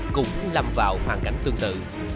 cũng lâm vào hoàn cảnh tương tự